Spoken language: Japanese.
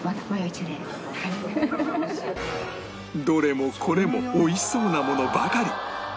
どれもこれも美味しそうなものばかり